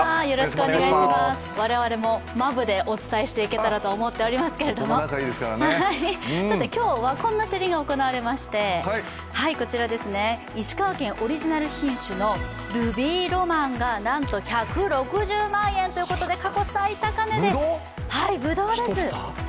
我々もマブでお伝えしていけたらと思っておりますけど今日はこんな競りが行われまして石川県産オリジナル品種のルビーロマンがなんと１６０万円ということで過去最高値で、ぶどうです。